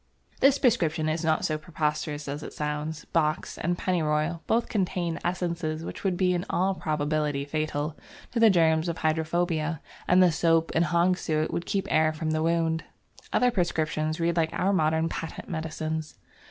This prescription is not so preposterous as it sounds. Box and Pennyroyal both contain essences which would be in all probability fatal to the germ of hydrophobia, and the soap and hog's suet would keep air from the wound. Other prescriptions read like our modern patent medicines.